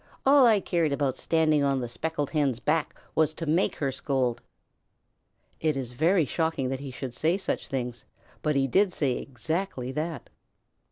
All I cared about standing on the Speckled Hen's back was to make her scold." It is very shocking that he should say such things, but he did say exactly that.